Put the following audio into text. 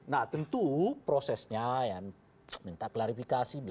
nah tentu prosesnya ya minta klarifikasi